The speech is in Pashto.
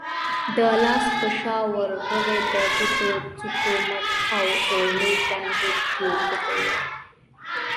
د لاس په شا، ورغوي، د ګوتو څوکو، مټ او اورمیږ باندې کېږدئ.